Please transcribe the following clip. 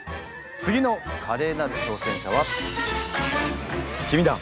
次のカレーなる挑戦者は君だ！